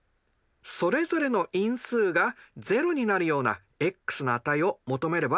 それぞれの因数が０になるようなｘの値を求めればよいのです。